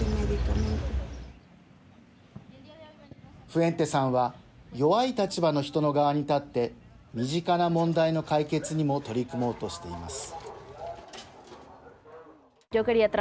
フエンテさんは弱い立場の人の側に立って身近な問題の解決にも取り組もうとしています。